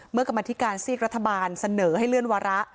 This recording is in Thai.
กรรมธิการซีกรัฐบาลเสนอให้เลื่อนวาระ